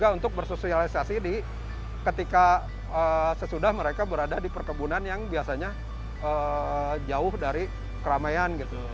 dan juga untuk bersosialisasi di ketika sesudah mereka berada di perkebunan yang biasanya jauh dari keramaian gitu